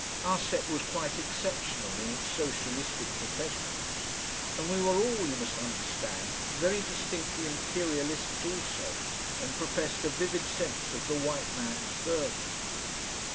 Our set was quite exceptional in its socialistic professions. And we were all, you must understand, very distinctly Imperialists also, and professed a vivid sense of the "White Man's Burden."